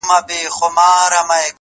چي د ارواوو په نظر کي بند سي’